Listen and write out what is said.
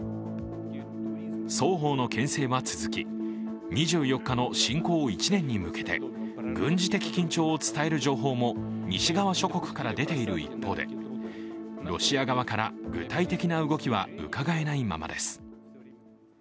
双方のけん制は続き、２４日の侵攻１年に向けて軍事的緊張を伝える情報も西側諸国から出ている一方でロシア側から具体的な動きはうかがえないままです。